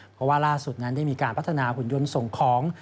เพราะว่าล่าสุดนั้นได้มีการพัฒนาหุ่นยนต์ส่งของ